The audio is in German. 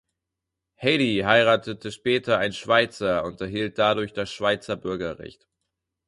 Hedy heiratete später einen Schweizer und erhielt dadurch das Schweizer Bürgerrecht.